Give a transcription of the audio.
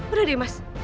udah deh mas